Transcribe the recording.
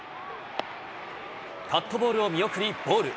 カットボールを見送り、ボール。